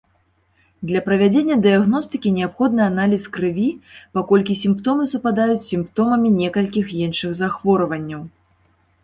Для правядзення дыягностыкі неабходны аналіз крыві, паколькі сімптомы супадаюць з сімптомамі некалькіх іншых захворванняў.